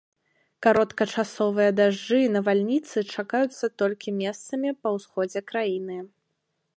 Кароткачасовыя дажджы і навальніцы чакаюцца толькі месцамі па ўсходзе краіны.